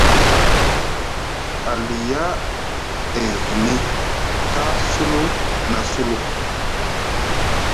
Aliya e hni taa sulu na sulu.